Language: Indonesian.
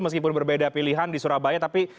meskipun berbeda pilihan di surabaya tapi